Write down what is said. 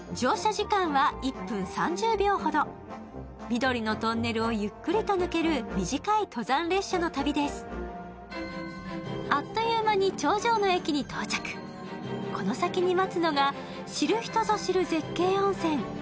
緑のトンネルをゆっくりと抜ける短い登山列車の旅ですあっという間に頂上の駅に到着この先に待つのが知る人ぞ知る絶景温泉